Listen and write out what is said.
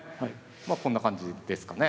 まあこんな感じですかね